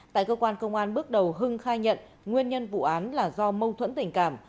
tại cơ quan công an bước đầu hưng khai nhận nguyên nhân vụ án là do mâu thuẫn tình cảm